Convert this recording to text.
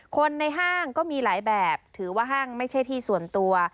คนในห้างก็มีหลายแบบถือว่าห้างไม่ใช่ที่ส่วนตัว